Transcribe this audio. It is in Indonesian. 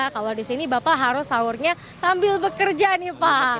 kalau di sini bapak harus sahurnya sambil bekerja nih pak